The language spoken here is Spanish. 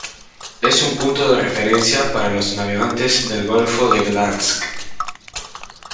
Es un punto de referencia para los navegantes del Golfo de Gdansk.